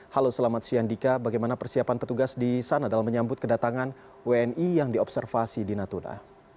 halo selamat siang dika bagaimana persiapan petugas di sana dalam menyambut kedatangan wni yang diobservasi di natuna